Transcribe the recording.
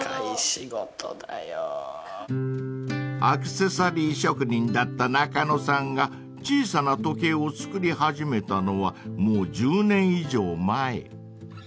［アクセサリー職人だった中野さんが小さな時計を作り始めたのはもう１０年以上前］